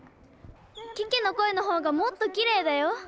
ケケの声の方がもっときれいだよ。